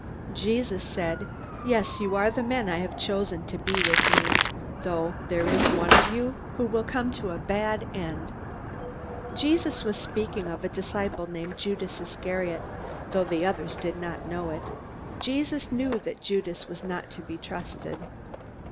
Jesus said, "Yes, you are the men I have chosen to be with me though there is one of you who will come to a bad end." He was speaking of a disciple named Judas Iscariot, though the others did not know it. Jesus knew that Judas was not to be trusted.